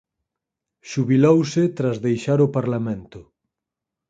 Xubilouse tras deixar o Parlamento.